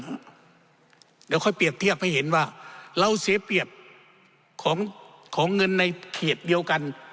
เดี๋ยวค่อยเปรียบเทียบให้เห็นว่าเราเสียเปรียบของเงินในเขตเดียวกัน